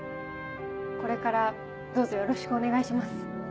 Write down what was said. これからどうぞよろしくお願いします。